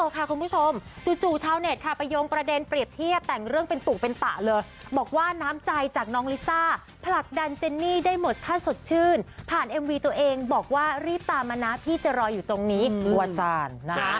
คุณผู้ชมจู่ชาวเน็ตค่ะไปโยงประเด็นเปรียบเทียบแต่งเรื่องเป็นตุเป็นตะเลยบอกว่าน้ำใจจากน้องลิซ่าผลักดันเจนนี่ได้หมดถ้าสดชื่นผ่านเอ็มวีตัวเองบอกว่ารีบตามมานะพี่จะรออยู่ตรงนี้วาซานนะคะ